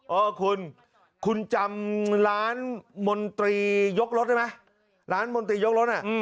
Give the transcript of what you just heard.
เออคุณคุณจำร้านมนตรียกรถได้ไหมร้านมนตรียกรถ